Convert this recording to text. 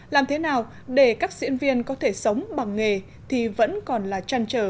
làm thế nào để các diễn viên có thể sống bằng nghề thì vẫn còn là trăn trở